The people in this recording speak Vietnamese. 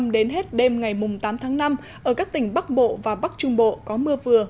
đến hết đêm ngày tám tháng năm ở các tỉnh bắc bộ và bắc trung bộ có mưa vừa